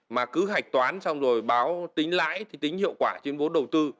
mà cứ hạch toán xong rồi báo tính lãi thì tính hiệu quả trên vốn đầu tư